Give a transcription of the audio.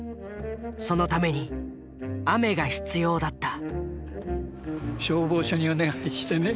そのために雨が必要だった。